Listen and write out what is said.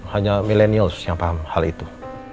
hanya milenial yang paham hal itu